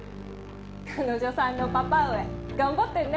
彼女さんのパパ上頑張ってんね。